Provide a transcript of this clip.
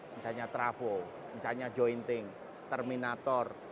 misalnya trafo misalnya jointing terminator